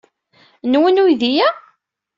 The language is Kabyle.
Nwen uydi-a?